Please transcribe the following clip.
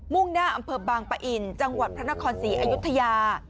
่งหน้าอำเภอบางปะอินจังหวัดพระนครศรีอยุธยา